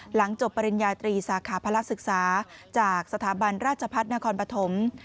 จบปริญญาตรีสาขาพระศึกษาจากสถาบันราชพัฒนครปฐม